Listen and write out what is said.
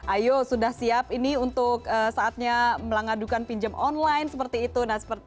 ayo sudah siap ini untuk saatnya melangadukan pinjam online seperti itu